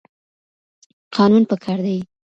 قانون پکار دی.